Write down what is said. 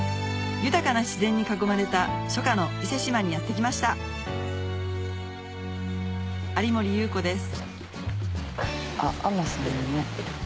豊かな自然に囲まれた初夏の伊勢志摩にやって来ました有森裕子です